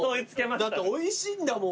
だっておいしいんだもん。